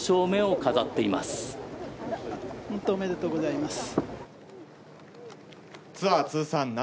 おめでとうございます。